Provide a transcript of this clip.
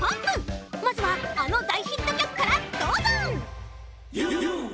まずはあのだいヒットきょくからどうぞ！